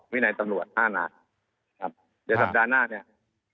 วินัยตำรวจห้านายครับเดี๋ยวสัปดาห์หน้าเนี่ย